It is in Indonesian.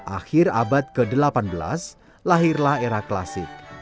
akhir abad ke delapan belas lahirlah era klasik